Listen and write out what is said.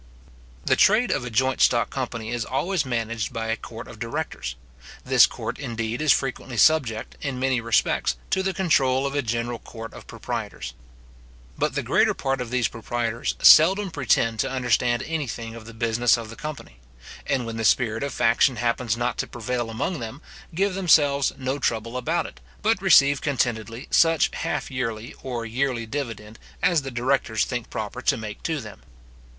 The trade of a joint stock company is always managed by a court of directors. This court, indeed, is frequently subject, in many respects, to the control of a general court of proprietors. But the greater part of these proprietors seldom pretend to understand any thing of the business of the company; and when the spirit of faction happens not to prevail among them, give themselves no trouble about it, but receive contentedly such halfyearly or yearly dividend as the directors think proper to make to them.